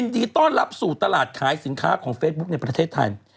ดีต้อนรับสู่ตลาดขายสินค้าของเฟซบุ๊คในประเทศไทย